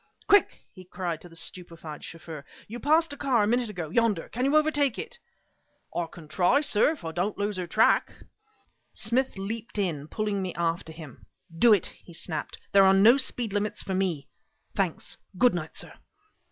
"Quick!" he cried to the stupefied chauffeur "You passed a car a minute ago yonder. Can you overtake it?" "I can try, sir, if I don't lose her track." Smith leaped in, pulling me after him. "Do it!" he snapped. "There are no speed limits for me. Thanks! Goodnight, sir!"